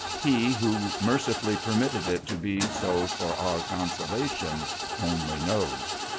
He, who mercifully permitted it to be so for our con solation, only knows.